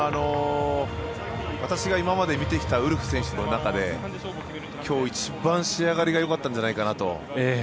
私が今まで見てきたウルフ選手の中で今日一番仕上がりが良かったんじゃないかなと。